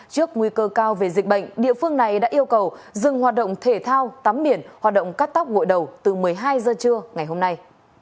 trước nguy cơ cao về dịch bệnh địa phương này đã yêu cầu dừng hoạt động thể thao tắm biển hoạt động cắt tóc ngồi đầu từ một mươi hai h trưa ngày hôm nay